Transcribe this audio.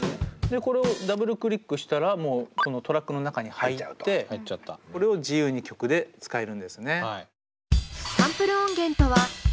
でこれをダブルクリックしたらもうこのトラックの中に入ってこれを自由に曲で使えるんですね。